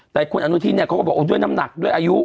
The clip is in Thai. แต่คุณอนุทินเนี่ยเขาก็บอกด้วยน้ำหนักด้วยอายุ